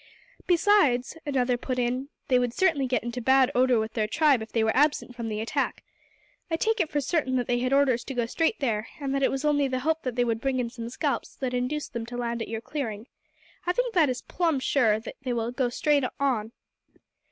"Besides," another put in, "they would certainly get into bad odour with their tribe if they were absent from the attack. I take it for certain that they had orders to go straight there, and that it was only the hope that they would bring in some scalps that induced them to land at your clearing. I think that it is plumb sure that they will go straight on."